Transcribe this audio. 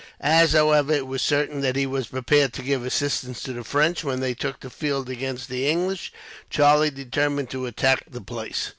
As, however, it was certain that he was prepared to give assistance to the French, when they took the field against the English, Charlie determined to attack the place.